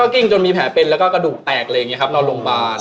กิ้งจนมีแผลเป็นแล้วก็กระดูกแตกอะไรอย่างนี้ครับนอนโรงพยาบาล